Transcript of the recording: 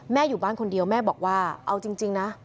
อยู่บ้านคนเดียวแม่บอกว่าเอาจริงนะ